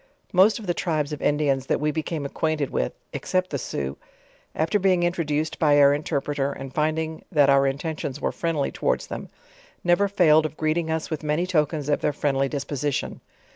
Most of the tribes of Indians that we became acquainted with (except the Sioux) after being introduced by our inter preter, and finding that our intentions were friendly towards them, never failed of greeting us with many tokens of their friendly disposition.